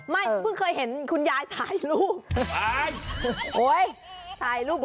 เพิ่งเคยเห็นคุณยายถ่ายรูป